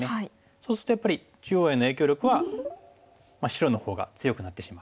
そうするとやっぱり中央への影響力は白のほうが強くなってしまう。